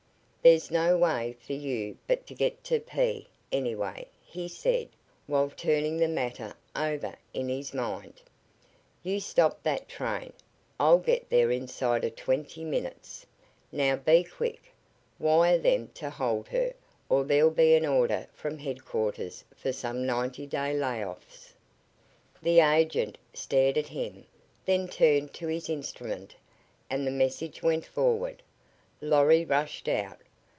"There's no way for you but to get to P anyway," he said, while turning the matter over in his mind. "You stop that train! I'll get there inside of twenty minutes. Now, be quick! Wire them to hold her or there'll be an order from headquarters for some ninety day lay offs." The agent stared at him; then turned to his instrument, and the message went forward. Lorry rushed out.